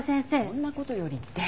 「そんな事より」って！